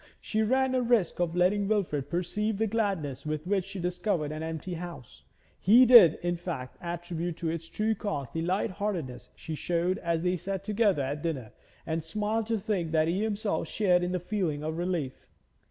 She ran a risk of letting Wilfrid perceive the gladness with which she discovered an empty house; he did, in fact, attribute to its true cause the light heartedness she showed as they sat together at dinner, and smiled to think that he himself shared in the feeling of relief.